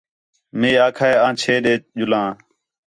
مئے آکھا ہِے آں چھے ݙے ڄُلاں